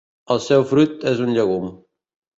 El seu fruit és un llegum.